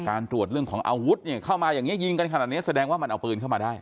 ตรวจเรื่องของอาวุธเนี่ยเข้ามาอย่างนี้ยิงกันขนาดนี้แสดงว่ามันเอาปืนเข้ามาได้